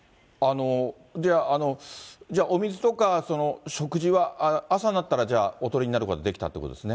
じゃあ、お水とか食事は、朝になったらじゃあ、おとりになることできたってことですね。